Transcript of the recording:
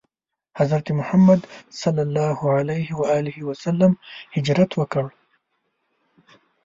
حضرت محمد ﷺ هجرت وکړ.